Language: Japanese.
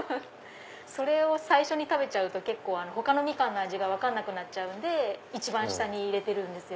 それを最初に食べちゃうと他のみかんの味が分かんなくなっちゃうんで一番下に入れてるんですよ。